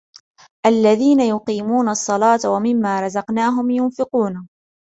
الَّذِينَ يُقِيمُونَ الصَّلَاةَ وَمِمَّا رَزَقْنَاهُمْ يُنْفِقُونَ